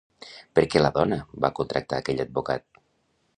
Per què la dona va contractar aquell advocat?